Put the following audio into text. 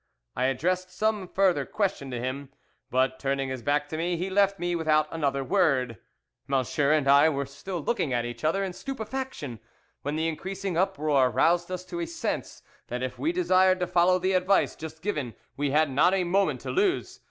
I addressed some further question to him, but, turning his back on me, he left me without another word. "M______ and I were still looking at each other in stupefaction, when the increasing uproar aroused us to a sense that if we desired to follow the advice just given we had not a moment to lose.